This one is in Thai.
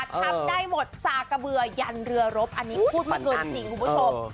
ครับได้หมดสากเบื่อยันเรือรบพูดประจำจริงคุณผู้ชม